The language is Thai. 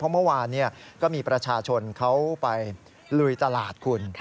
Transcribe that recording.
เมื่อวานก็มีประชาชนเขาไปลุยตลาดคุณ